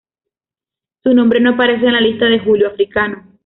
Su nombre no aparece en la lista de Julio Africano.